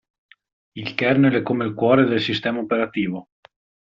Il kernel è come il cuore del sistema operativo.